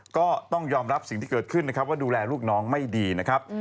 ก็ต้องยอมรับสิ่งที่เกิดขึ้นนะครับว่าดูแลลูกน้องไม่ดีนะครับ